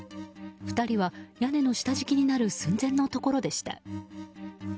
２人は屋根の下敷きになる寸前のところでした。